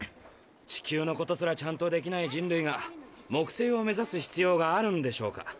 地球のことすらちゃんとできない人類が木星を目ざす必要があるんでしょうか。